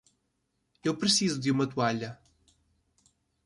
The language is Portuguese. Eu preciso de uma toalha.